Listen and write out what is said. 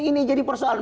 ini jadi persoalan